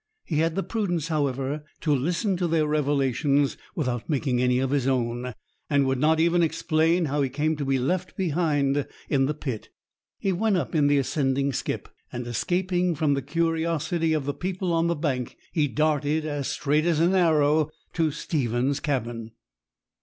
He had the prudence, however, to listen to their revelations without making any of his own, and would not even explain how he came to be left behind in the pit. He went up in the ascending skip, and, escaping from the curiosity of the people on the bank, he darted as straight as an arrow to Stephen's cabin.